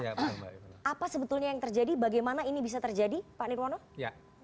apa sebetulnya yang terjadi bagaimana ini bisa terjadi pak nirwono